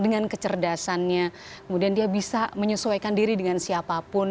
dengan kecerdasannya kemudian dia bisa menyesuaikan diri dengan siapapun